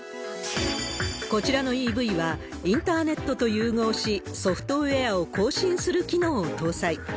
こちらのＥＶは、インターネットと融合し、ソフトウエアを更新する機能を搭載。